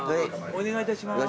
お願いします。